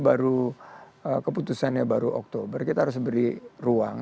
baru keputusannya baru oktober kita harus beri ruang